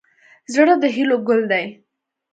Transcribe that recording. زړه د هیلو ګل دی.